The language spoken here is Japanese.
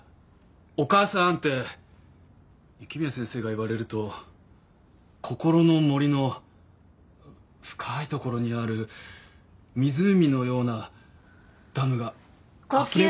「お母さーん！」って雪宮先生が言われると心の森の深い所にある湖のようなダムがあふれる。